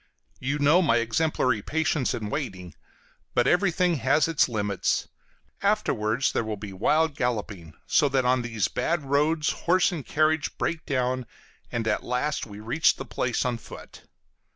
You know my exemplary patience in waiting, but everything has its limits; afterwards there will be wild galloping, so that on these bad roads horse and carriage break down, and at last we reach the place on foot.